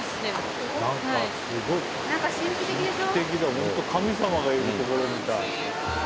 ホント神様がいるところみたい。